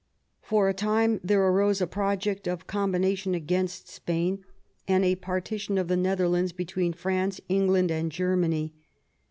For a time there arose a project of a combination against Spain, and a partition of the Netherlands between France, England and Germany.